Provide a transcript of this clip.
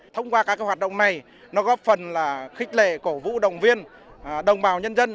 thông qua các hoạt động này nó góp phần là khích lệ cổ vũ đồng viên đồng bào nhân dân